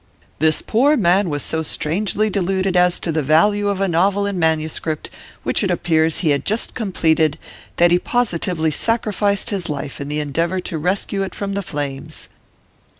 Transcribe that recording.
"This poor man was so strangely deluded as to the value of a novel in manuscript, which it appears he had just completed, that he positively sacrificed his life in the endeavour to rescue it from the flames."